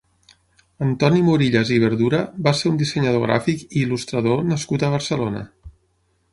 Antoni Morillas i Verdura va ser un dissenyador gràfic i il·lustrador nascut a Barcelona.